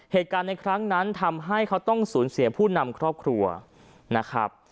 เหตุการณ์ในครั้งนั้นทำให้เขาต้องสูญเสียผู้นำครอบครัวนะครับ